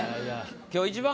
今日一番。